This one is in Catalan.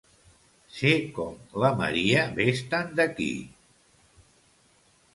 Ser com la «Maria ves-te'n d'aquí».